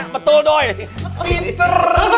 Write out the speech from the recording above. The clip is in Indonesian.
iya betul doi pinter